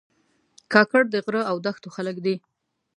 کاکړ د غره او دښتو خلک دي.